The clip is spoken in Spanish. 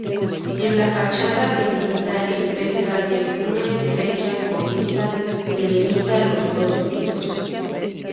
En la fachada, dividida en tres calles, una estrecha cornisa delimita los dos pisos.